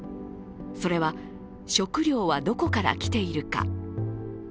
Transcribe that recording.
それは食料はどこからきているか。